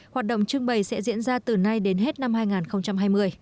hoạt động trưng bày sẽ diễn ra từ nay đến hết năm hai nghìn hai mươi